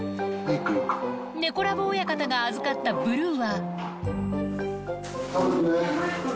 猫ラブ親方が預かったブルー食べてね。